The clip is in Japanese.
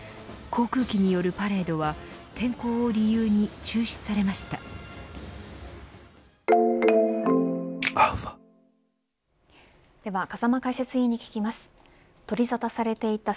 航空機によるパレードは天候を理由に中止されました。